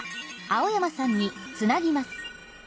青山さんにつなぎます。